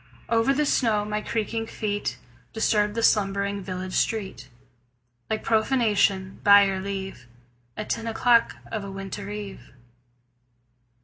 Over the snow my creaking feet Disturbed the slumbering village street Like profanation, by your leave, At ten o'clock of a winter eve.